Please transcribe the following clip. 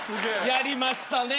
やりましたね。